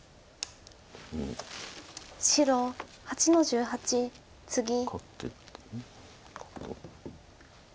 白８の十八ツギ。